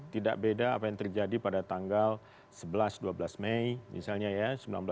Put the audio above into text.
tidak beda apa yang terjadi pada tanggal sebelas dua belas mei misalnya ya